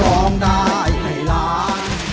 ร้องได้ให้ล้าน